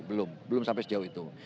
belum belum sampai sejauh itu